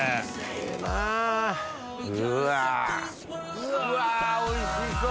うわおいしそう！